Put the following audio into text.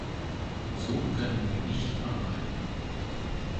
So können wir nicht arbeiten.